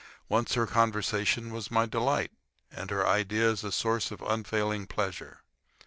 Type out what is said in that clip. Once her conversation was my delight, and her ideas a source of unfailing pleasure.